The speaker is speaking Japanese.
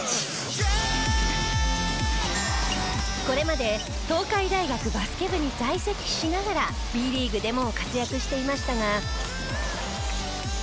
これまで東海大学バスケ部に在籍しながらＢリーグでも活躍していましたが。